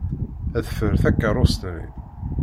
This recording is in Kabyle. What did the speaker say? Ḍfer takeṛṛust-nni.